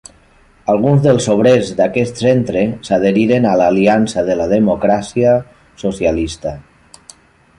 Alguns dels obrers d'aquest centre s'adheriren a l'Aliança de la Democràcia Socialista.